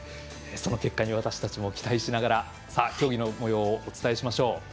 その結果に私たちも期待しながら競技のもようをお伝えしましょう。